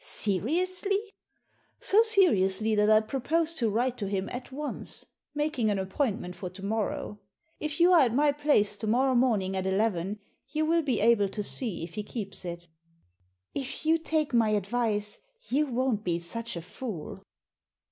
"Seriously?" "So seriously that I propose to write to him at once, making an appointment for to morrow. If you are at my place to morrow morning at eleven you will be able to see if he keeps it" " If you take my advice you won't be such a fool."